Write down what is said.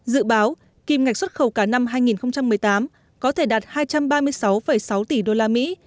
dự báo kim ngạch xuất khẩu cả năm hai nghìn một mươi tám có thể đạt hai trăm ba mươi sáu sáu tỷ đô la mỹ